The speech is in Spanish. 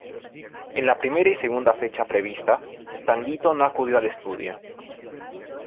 En la primera y segunda fecha prevista Tanguito no acudió al estudio.